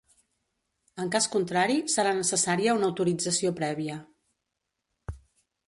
En cas contrari, serà necessària una autorització prèvia.